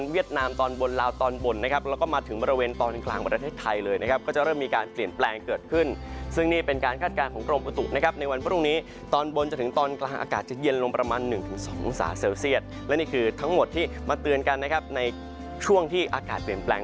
ตอนบนลาวตอนบนนะครับแล้วก็มาถึงบริเวณตอนกลางประเทศไทยเลยนะครับก็จะเริ่มมีการเปลี่ยนแปลงเกิดขึ้นซึ่งนี่เป็นการคาดการณ์ของกรมอุตุนะครับในวันพรุ่งนี้ตอนบนจนถึงตอนกลางอากาศจะเย็นลงประมาณ๑๒องศาเซลเซียตและนี่คือทั้งหมดที่มาเตือนกันนะครับในช่วงที่อากาศเปลี่ยนแปลง